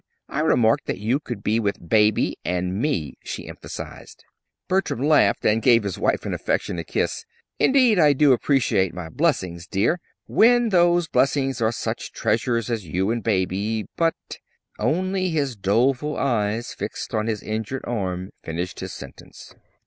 I remarked that you could be with Baby and me," she emphasized. Bertram laughed, and gave his wife an affectionate kiss. "Indeed I do appreciate my blessings, dear when those blessings are such treasures as you and Baby, but " Only his doleful eyes fixed on his injured arm finished his sentence.